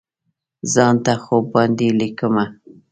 ځان ته خوب باندې لیکمه